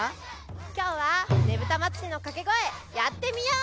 きょうはねぶたまつりのかけごえやってみよう！